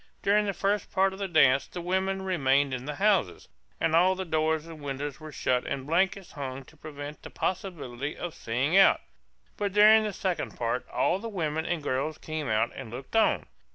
During the first part of the dance the women remained in the houses, and all the doors and windows were shut and blankets hung to prevent the possibility of seeing out. But during the second part all the women and girls came out and looked on.